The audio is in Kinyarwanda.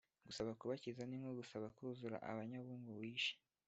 gusaba kubakiza ninkogusaba kuzura abanyabungo wishe